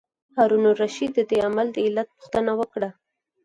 هارون الرشید د دې عمل د علت پوښتنه وکړه.